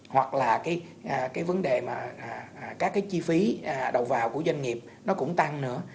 hoặc là cái vấn đề mà các cái chi phí đầu vào của doanh nghiệp nó cũng tăng nữa